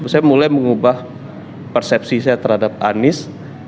saya mulai mengubah persepsi saya terhadap anies